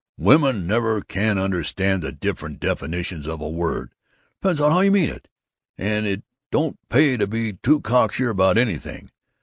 Woman never can understand the different definitions of a word. Depends on how you mean it. And it don't pay to be too cocksure about anything.